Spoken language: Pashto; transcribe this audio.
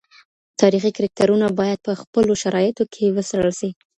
تاریخي کرکټرونه باید په خپلو شرایطو کي وڅېړل سي.